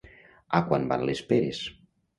A quant van les peres?